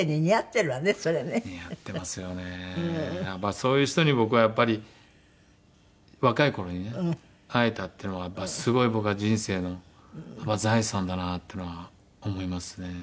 そういう人に僕はやっぱり若い頃にね会えたっていうのはすごい僕は人生の財産だなっていうのは思いますね。